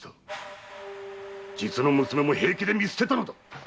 実の娘も平気で見捨てたのだ